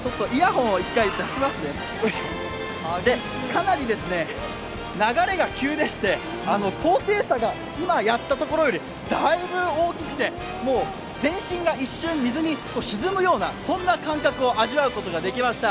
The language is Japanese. かなり流れが急でして、高低差が今やったところよりだいぶ大きくて、全身が一瞬水に沈むようなそんな感覚を味わうことができました。